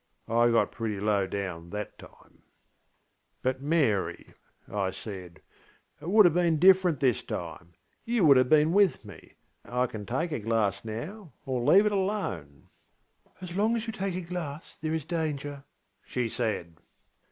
I got pretty low down that time.) ŌĆśBut, Mary, ŌĆÖ I said, ŌĆśit would have been different this time. You would have been with me. I can take a glass now or leave it alone. ŌĆÖ ŌĆśAs long as you take a glass there is danger, ŌĆÖ she said.